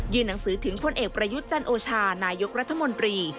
หนังสือถึงพลเอกประยุทธ์จันโอชานายกรัฐมนตรี